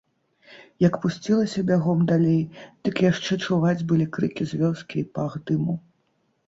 Як пусцілася бягом далей, дык яшчэ чуваць былі крыкі з вёскі і пах дыму.